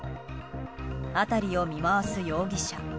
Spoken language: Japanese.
辺りを見回す容疑者。